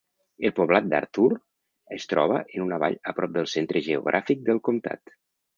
El poblat d'Arthur es troba en una vall a prop del centre geogràfic del comptat.